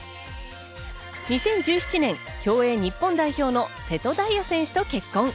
２０１７年、競泳日本代表の瀬戸大也選手と結婚。